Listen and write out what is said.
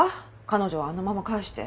彼女あのまま帰して。